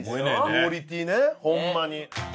クオリティーねホンマに。